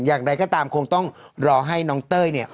อย่างไรก็ตามคงต้องรอให้น้องเต้ยเนี่ย